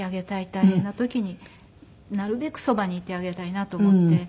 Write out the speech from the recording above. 大変な時になるべくそばにいてあげたいなと思って。